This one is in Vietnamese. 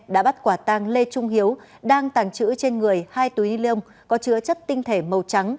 đã bắt quả tàng lê trung hiếu đang tàng trữ trên người hai túi ni lông có chứa chất tinh thể màu trắng